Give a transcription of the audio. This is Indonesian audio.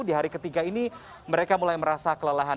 di hari ketiga ini mereka mulai merasa kelelahan